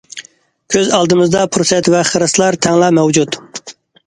كۆز ئالدىمىزدا پۇرسەت ۋە خىرىسلار تەڭلا مەۋجۇت.